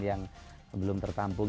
yang belum tertampung